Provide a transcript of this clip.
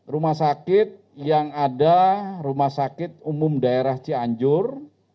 rumah sakit yang ada rumah sakit umum daerah cianjur